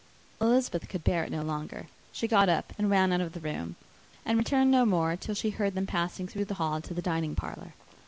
Elizabeth could bear it no longer. She got up and ran out of the room; and returned no more, till she heard them passing through the hall to the dining parlour.